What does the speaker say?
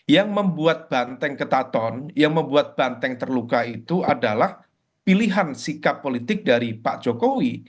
yang membuat banteng ketaton yang membuat banteng terluka itu adalah pilihan sikap politik dari pak jokowi